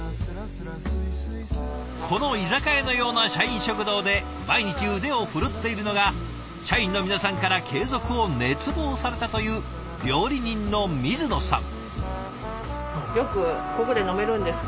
この居酒屋のような社員食堂で毎日腕を振るっているのが社員の皆さんから継続を熱望されたという料理人の水野さん。